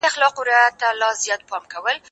زه بايد کتابونه وليکم،،